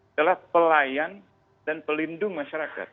adalah pelayan dan pelindung masyarakat